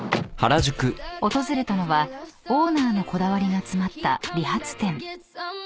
［訪れたのはオーナーのこだわりが詰まった理髪店］